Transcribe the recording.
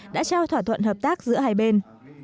đã trao thỏa thuận hợp tác giữa hai bên